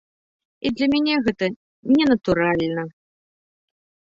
І для мяне гэта ненатуральна.